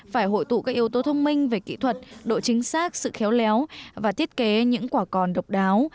phải hội tụ các yếu tố thông minh về kỹ thuật độ chính xác sự khéo léo và thiết kế những quả còn độc đáo